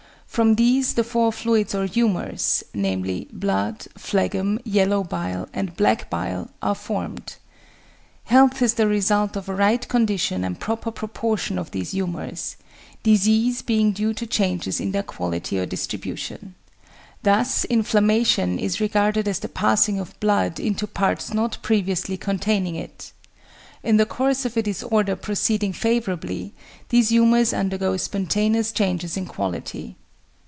From these the four fluids or humours (namely, blood, phlegm, yellow bile, and black bile) are formed. Health is the result of a right condition and proper proportion of these humours, disease being due to changes in their quality or distribution. Thus inflammation is regarded as the passing of blood into parts not previously containing it. In the course of a disorder proceeding favourably, these humours undergo spontaneous changes in quality.